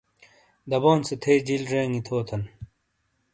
دَبون سے تھئیی جِیل جیگی تھوتھن!